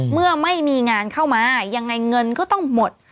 เมื่อไม่มีงานเข้ามายังไงเงินก็ต้องหมด